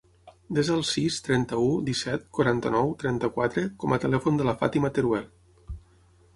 Desa el sis, trenta-u, disset, quaranta-nou, trenta-quatre com a telèfon de la Fàtima Teruel.